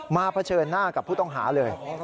เผชิญหน้ากับผู้ต้องหาเลย